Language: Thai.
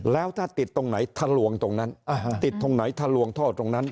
แล้วถ้าติดตรงไหนทะลวงตรงนั้นติดตรงไหนทะลวงท่อตรงนั้น